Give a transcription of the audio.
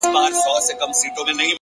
دقیق فکر د لویو خطاګانو مخه نیسي,